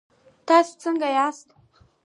تاسو څنګ ياست؟